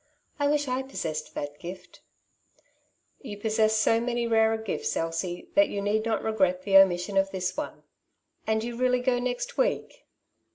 I wish I possessed that gift/' '^Tou possess so many rarer gifts, Elsie, that you need not regret the omission of this one. And you really go next week